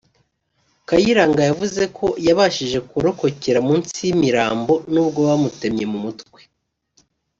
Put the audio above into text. Kayiranga yavuze ko yabashije kurokokera munsi y’imirambo nubwo bamutemye mu mutwe